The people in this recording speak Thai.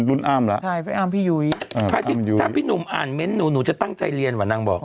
รุ่นข้ามแล้วแต่พี่พี่หนุ่มอ่านเมนโน้นหนูจะตั้งใจเรียนวะนั่งบอก